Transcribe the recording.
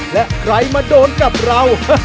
และใครมาโดนกับเรา